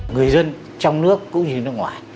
người dân trong nước cũng như nước ngoài